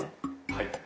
はい。